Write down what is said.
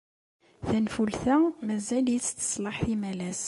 Tanfult-a mazal-itt teṣleḥ imalas.